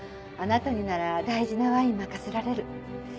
あなたになら大事なワイン任せられる。